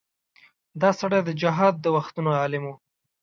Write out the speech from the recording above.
دا سړی د جهاد د وختونو عالم و.